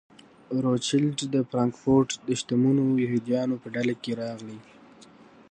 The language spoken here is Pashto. روچیلډ د فرانکفورټ د شتمنو یهودیانو په ډله کې راغی.